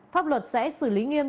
pháp luật sẽ xử lý nghiêm